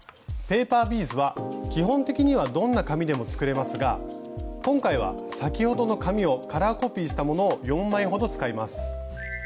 ペーパービーズは基本的にはどんな紙でも作れますが今回は先ほどの紙をカラーコピーしたものを４枚ほど使います。